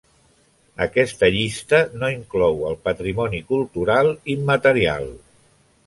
Aquesta llista no inclou el Patrimoni Cultural Immaterial.